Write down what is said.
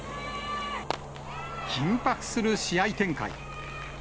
緊迫する試合展開。